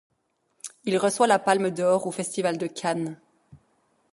Il reçoit la Palme d'or au festival de Cannes.